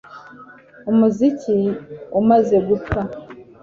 umuziki umaze gupfa